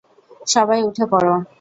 সবাই উঠে পড়।